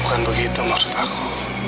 bukan begitu maksud aku